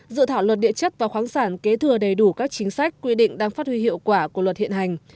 dự thảo luật địa chất và khoáng sản kế thừa đầy đủ các chính sách quy định đang phát huy hiệu quả của luật hiện hành